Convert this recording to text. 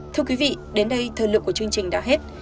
thưa quý vị đến đây thời lượng của chương trình đã hết